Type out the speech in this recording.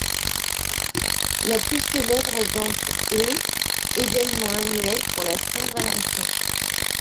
La plus célèbre d'entre eux - événement annuel pour la Saint-Valentin.